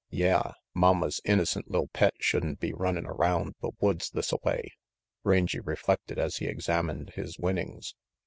"Yeah, momma's innocent li'l pet should'n be runnin' around the woods thisaway," Rangy reflected as he examined his winnings.